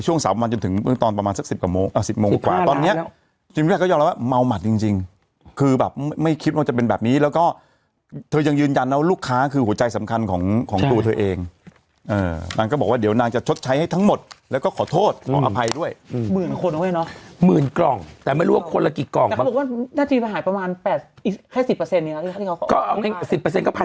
ช่วงสามวันจนถึงเมื่อตอนประมาณสักสิบกว่าโมงเอ่อสิบโมงกว่าตอนเนี้ยจริงแรกเขายอมแล้วว่าเมาหมัดจริงจริงคือแบบไม่คิดว่าจะเป็นแบบนี้แล้วก็เธอยังยืนยันแล้วว่าลูกค้าคือหัวใจสำคัญของของตัวเธอเองเอ่อนางก็บอกว่าเดี๋ยวนางจะชดใช้ให้ทั้งหมดแล้วก็ขอโทษขออภัยด้วยอืมหมื่